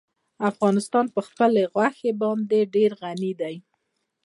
افغانستان په خپلو غوښې باندې ډېر غني دی.